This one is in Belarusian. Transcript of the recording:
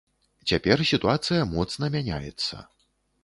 Цяпер сітуацыя моцна мяняецца.